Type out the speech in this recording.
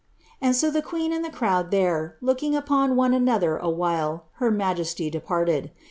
And so the ijueea and the crowd ibd looking upon one another awbtle, ber majesty departed.